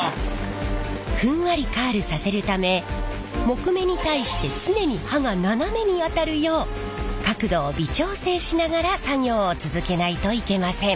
ふんわりカールさせるため木目に対して常に刃が斜めに当たるよう角度を微調整しながら作業を続けないといけません。